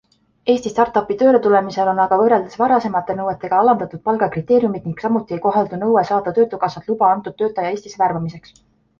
Eesti startupi tööle tulemisel on aga võrreldes varasemate nõuetega alandatud palgakriteeriumit ning samuti ei kohaldu nõue saada töötukassalt luba antud töötaja Eestisse värbamiseks.